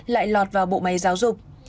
lại lọt vào bộ máy giáo dục